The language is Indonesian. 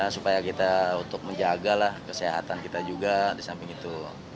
supaya kita untuk menjagalah kesehatan kita juga di samping itu